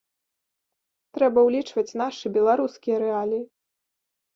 Трэба ўлічваць нашы, беларускія рэаліі.